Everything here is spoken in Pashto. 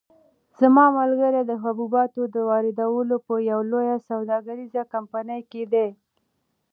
زما ملګری د حبوباتو د واردولو په یوه لویه سوداګریزه کمپنۍ کې دی.